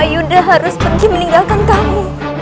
karena yunda harus pergi meninggalkan kamu